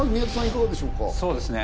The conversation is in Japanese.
いかがでしょうか。